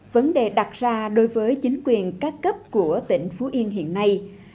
vấn đề đặt ra đối với chính quyền các cấp của tỉnh phú yên hiện nay